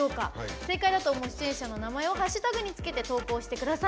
正解だと思う出演者の名前をハッシュタグに付けて投稿してください。